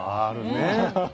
あるね。